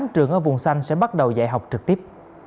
một mươi tám trường ở vùng xanh sẽ bắt đầu dạy học trực tiếp